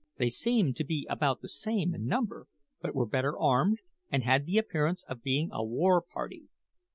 They seemed to be about the same in number, but were better armed, and had the appearance of being a war party.